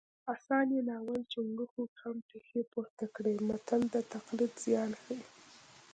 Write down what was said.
اسان یې نالول چونګښو هم پښې پورته کړې متل د تقلید زیان ښيي